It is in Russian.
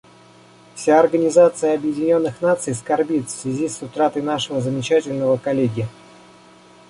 Вся Организация Объединенных Наций скорбит в связи с утратой нашего замечательного коллеги.